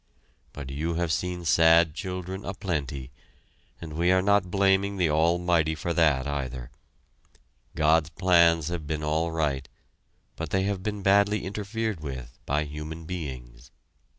But you have seen sad children a plenty, and we are not blaming the Almighty for that either. God's plans have been all right, but they have been badly interfered with by human beings.